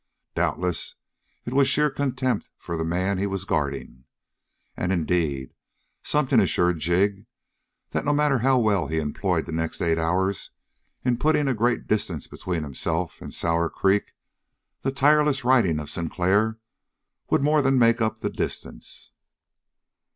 Doubtless it was sheer contempt for the man he was guarding. And, indeed, something assured Jig that, no matter how well he employed the next eight hours in putting a great distance between himself and Sour Creek, the tireless riding of Sinclair would more than make up the distance.